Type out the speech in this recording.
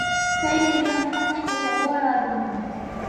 Staili iliyomfanya kocha bora wa dunia